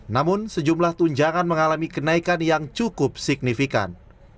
namun sejumlah tunjangan mengalami kenaikan yang cukup signifikan